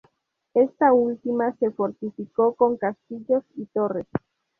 Esta última se fortificó con castillos y torres.